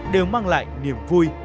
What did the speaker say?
đều mang lại niềm vui